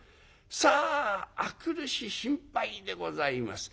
さあ明くる日心配でございます。